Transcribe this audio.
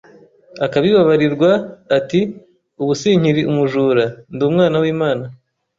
akabibabarirwa, ati “Ubu sinkiri umujura, ndi umwana w’Imana,